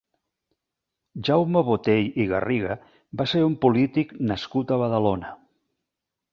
Jaume Botey i Garriga va ser un polític nascut a Badalona.